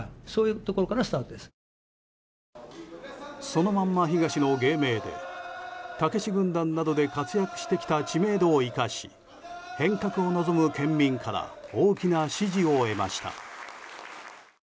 そのまんま東の芸名でたけし軍団などで活躍してきた知名度を生かし変革を望む県民から大きな支持を得ました。